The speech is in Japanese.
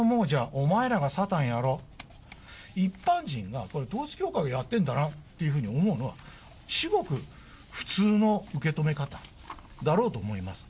お前らがサタンやろ、一般人が、これは統一教会を言ってるんだなと思うのは、至極、普通の受け止め方だろうと思います。